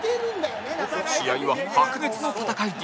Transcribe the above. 試合は白熱の戦いに